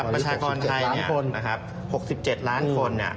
ประชาคนไทย๖๗ล้านคน